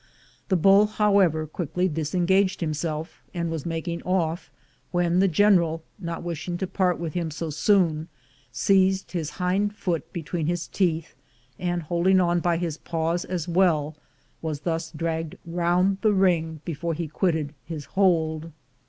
The bull, however, quickly disengaged himself, and was making off, when the General, not wishing to part with him so soon, seized his hind foot between his teeth, and, holding on by his paws as well, was thus dragged round the ring before he quitted his hold.